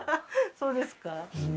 そうですか？